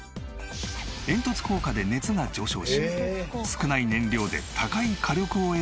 煙突効果で熱が上昇し少ない燃料で高い火力を得る事ができるそうです。